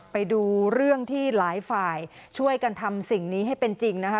ไปดูเรื่องที่หลายฝ่ายช่วยกันทำสิ่งนี้ให้เป็นจริงนะคะ